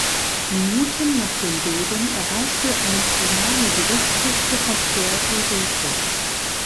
Minuten nach dem Beben erreichte ein Tsunami die Westküste von Puerto Rico.